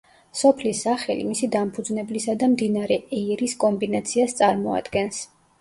სოფლის სახელი მისი დამფუძნებლისა და მდინარე ეირის კომბინაციას წარმოადგენს.